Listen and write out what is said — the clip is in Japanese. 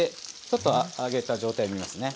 ちょっと揚げた状態見ますね。